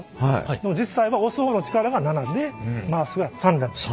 でも実際は押す方の力が７で回すが３なんですよ。